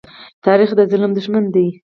تاریخ د ظلم دښمن دی.